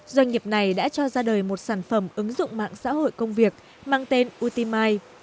doanh nghiệp này đã cho ra đời một sản phẩm ứng dụng mạng xã hội công việc mang tên utimay